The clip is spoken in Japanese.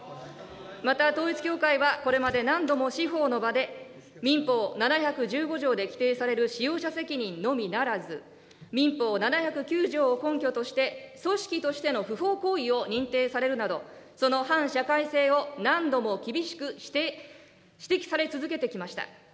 また、統一教会はこれまで何度も司法の場で、民法７１５条で規定される使用者責任のみならず、民法７０９条を根拠として、組織としての不法行為を認定されるなど、その反社会性を何度も厳しく指摘され続けてきました。